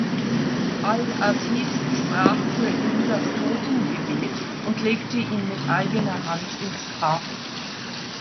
Al-Aziz sprach für ihn das Totengebet und legte ihn mit eigener Hand ins Grab.